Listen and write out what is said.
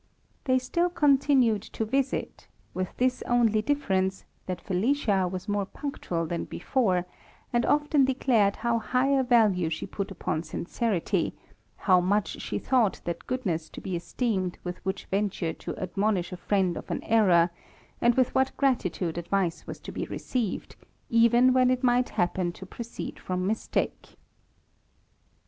They still continued to visit, with this only difference, that Felipia was more punctual than before, and often declared how high a value she put upon sincerity, how much she thought that goodness to be esteemed which would venture to admonish a friend of an errour, and with what gratitude advice was to be received, even when it might happen to proceed from mistake.